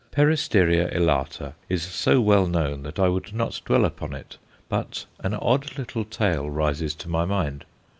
Peristeria elata is so well known that I would not dwell upon it, but an odd little tale rises to my mind.